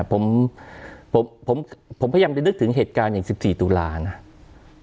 ผมผมพยายามจะนึกถึงเหตุการณ์อย่าง๑๔ตุลานะ